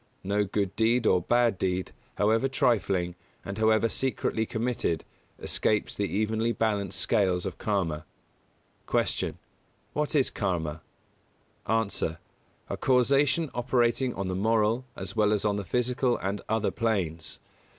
No good deed or bad deed, however trifling, and however secretly committed, escapes the evenly balanced scales of Karma. 172. Q. What is Karma? A. A causation operating on the moral, as well as on the physical and other planes.